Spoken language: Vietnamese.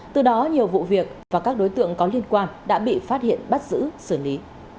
từ đó nhiều vụ việc và các đối tượng có liên quan đã bị phát hiện bắt giữ xử lý